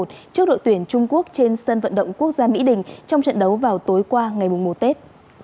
trước đội tuyển trung quốc trên sân vận động quốc gia mỹ đình trong trận đấu vào tối qua ngày một tết